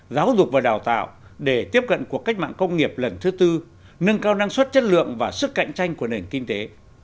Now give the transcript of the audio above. giáo dục và đào tạo để tiếp cận cuộc cách mạng công nghiệp lần thứ tư nâng cao năng suất chất lượng và sức cạnh tranh của nền kinh tế